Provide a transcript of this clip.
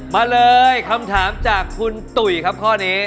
มาเลยคำถามจากคุณตุ๋ยครับข้อนี้